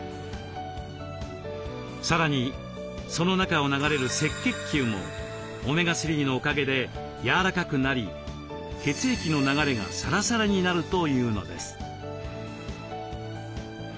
さらにその中を流れる赤血球もオメガ３のおかげで柔らかくなり血液の流れがサラサラになるというのです。